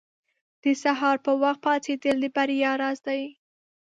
• د سهار پر وخت پاڅېدل د بریا راز دی.